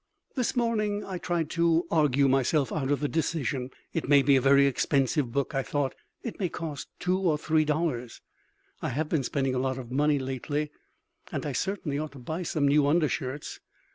This morning I tried to argue myself out of the decision. It may be a very expensive book, I thought; it may cost two or three dollars; I have been spending a lot of money lately, and I certainly ought to buy some new undershirts.